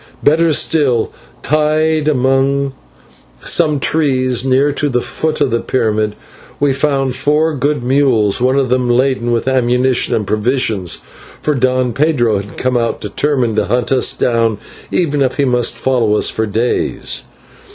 Better still, tied among some trees near the foot of the pyramid, we found four good mules, one of them laden with ammunition and provisions, for Don Pedro had come out determined to hunt us down, even if he must follow us for days.